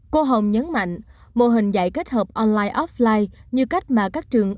cô hồng nhấn mạnh mô hình dạy kết hợp online offline như cách mà các trường